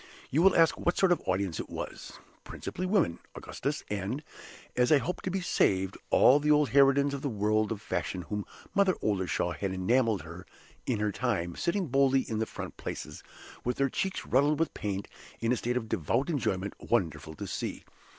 You will ask what sort of audience it was. Principally Women, Augustus and, as I hope to be saved, all the old harridans of the world of fashion whom Mother Oldershaw had enameled in her time, sitting boldly in the front places, with their cheeks ruddled with paint, in a state of devout enjoyment wonderful to see!